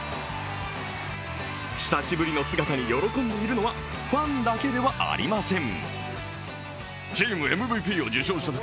久しぶりの姿に喜んでいるのはファンだけではありません。